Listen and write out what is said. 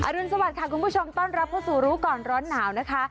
รุนสวัสดิค่ะคุณผู้ชมต้อนรับเข้าสู่รู้ก่อนร้อนหนาวนะคะ